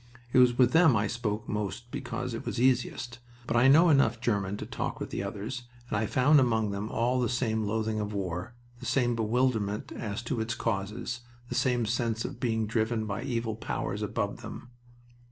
It was with them I spoke most because it was easiest, but I know enough German to talk with the others, and I found among them all the same loathing of war, the same bewilderment as to its causes, the same sense of being driven by evil powers above them.